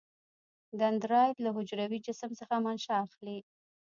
دندرایت له حجروي جسم څخه منشا اخلي.